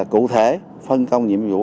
cụ thể phân công nhiệm vụ